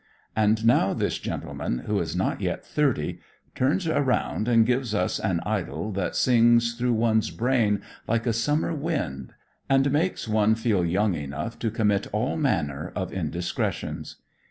And now this gentleman, who is not yet thirty, turns around and gives us an idyll that sings through one's brain like a summer wind and makes one feel young enough to commit all manner of indiscretions.